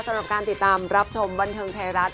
สำหรับการติดตามรับชมบันเทิงไทยรัฐ